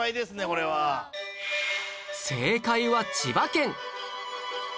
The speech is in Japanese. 正解は千葉県